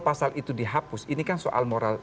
pasal itu dihapus ini kan soal moral